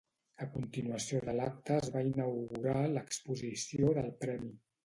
A continuació de l'acte es va inaugurar l'exposició del Premi.